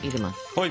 はい。